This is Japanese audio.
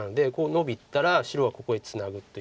ノビたら白はここへツナぐという。